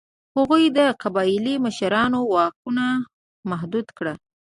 هغوی د قبایلي مشرانو واکونه محدود کړل.